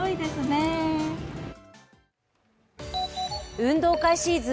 運動会シーズン